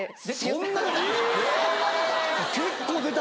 そんな出た！？